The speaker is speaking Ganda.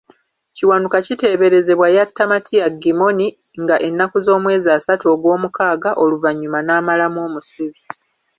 Kiwanuka kiteeberezebwa yatta Matia Gimmony nga ennaku z'omwezi asatu Ogwomukaaga, oluvannyuma n'amalamu omusubi.